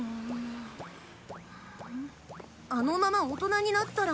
あのまま大人になったら。